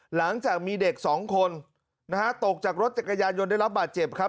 หลังจากมีเด็กสองคนนะฮะตกจากรถจักรยานยนต์ได้รับบาดเจ็บครับ